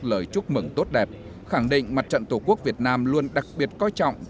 lời chúc mừng tốt đẹp khẳng định mặt trận tổ quốc việt nam luôn đặc biệt coi trọng